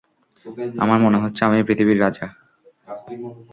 আমার মনে হচ্ছে আমিই পৃথিবীর রাজা।